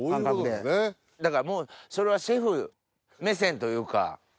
だからもうそれはシェフ目線というか。